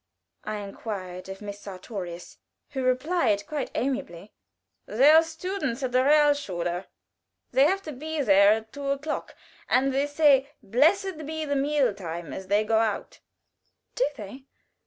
I inquired of Miss Sartorius, who replied, quite amiably: "They are students at the Realschule. They have to be there at two o'clock, and they say, 'Blessed be the meal time,' as they go out." "Do they?